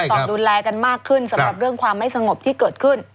ต้องดูแลกันมากขึ้นสำหรับเรื่องความไม่สงบที่เกิดขึ้น